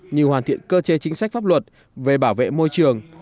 như hoàn thiện cơ chế chính sách pháp luật về bảo vệ môi trường